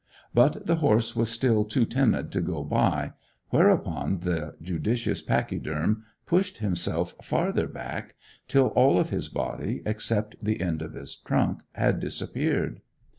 But the horse was still too timid to go by, whereupon the judicious pachyderm pushed himself farther back, till all of his body, except the end of his trunk, had disappeared.